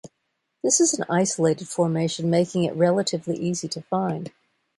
This is an isolated formation, making it relatively easy to find.